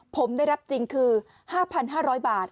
ผมได้รับจริงคือ๕๕๐๐บาท